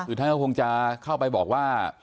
คือท่านก็คงจะเข้าไปบอกว่า